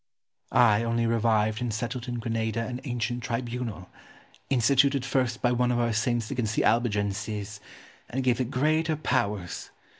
Ximenes. I only revived and settled in Granada an ancient tribunal, instituted first by one of our saints against the Albigenses, and gave it greater powers.